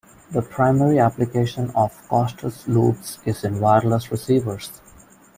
The primary application of Costas loops is in wireless receivers.